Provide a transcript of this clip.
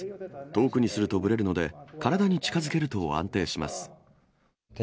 遠くにするとぶれるので、体に近づけると安定します。